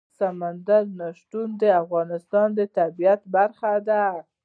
سمندر نه شتون د افغانستان د طبیعت برخه ده.